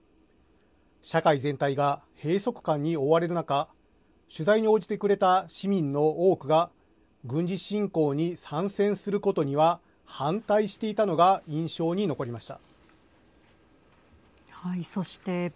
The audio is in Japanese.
社会全体が閉塞感に覆われる中取材に応じてくれた市民の多くが軍事侵攻に参戦することには反対していたのが印象に残りました。